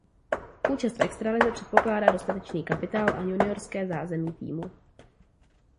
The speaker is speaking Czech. Účast v extralize předpokládá dostatečný kapitál a juniorské zázemí týmu.